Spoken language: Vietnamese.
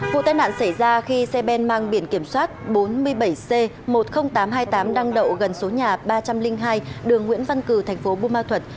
vụ tai nạn xảy ra khi xe ben mang biển kiểm soát bốn mươi bảy c một mươi nghìn tám trăm hai mươi tám đang đậu gần số nhà ba trăm linh hai đường nguyễn văn cử thành phố bù ma thuật